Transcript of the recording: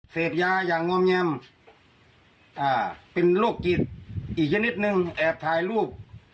เสพยายังง่อมเงียมอ่าเป็นโรคกิจอีกแค่นิดหนึ่งแอบถ่ายรูป